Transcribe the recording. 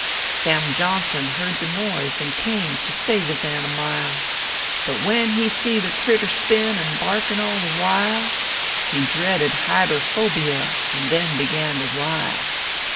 Sam Johnson heard the noise, and came To save his animile ; But when he see the crittur spin A barkin all the while He dreaded hiderfobia, And then began to rile.